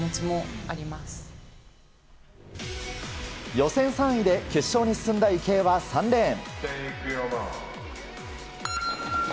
予選３位で決勝に進んだ池江は３レーン。